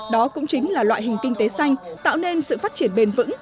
đó cũng chính là loại hình kinh tế xanh tạo nên sự phát triển bền vững